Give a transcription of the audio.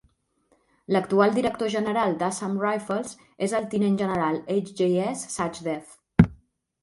L'actual director general d'Assam Rifles és el tinent general H.J.S. Sachdev.